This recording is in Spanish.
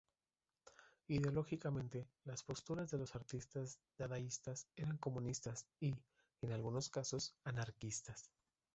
Ideológicamente, las posturas de los artistas dadaístas eran comunistas y, en algunos casos, anarquistas.